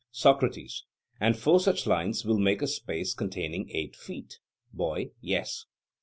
SOCRATES: And four such lines will make a space containing eight feet? BOY: Yes.